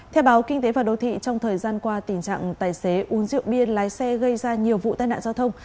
theo báo kinh tế và đô thị trong thời gian qua tình trạng tài xế uống rượu bia lái xe gây ra nhiều vụ tai nạn giao thông